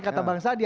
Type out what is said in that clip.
kata bang sandi